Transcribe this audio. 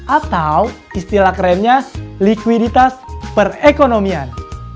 atau istilah kerennya likuiditas perekonomian